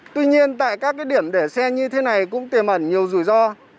tuy nhiên tại các điểm để xe như thế này cũng tiềm ẩn nhiều rủi ro